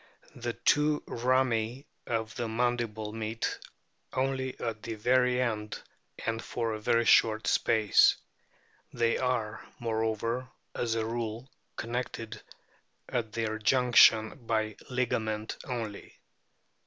The two rami of the mandible meet only at the very end and for a very short space ; they are, moreover, as a rule connected at their junction by ligament only.